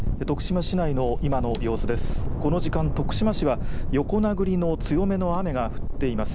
徳島市内の今の様子です。